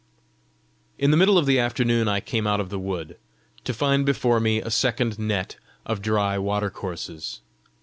In the middle of the afternoon I came out of the wood to find before me a second net of dry water courses.